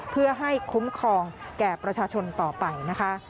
เพื่อให้คุ้มครองแก่ประชาชนต่อไปนะคะ